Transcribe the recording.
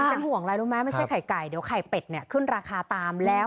ฉันห่วงอะไรรู้ไหมไม่ใช่ไข่ไก่เดี๋ยวไข่เป็ดเนี่ยขึ้นราคาตามแล้ว